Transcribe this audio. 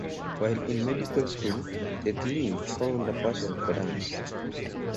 While in medical school, Tetley found a passion for dance.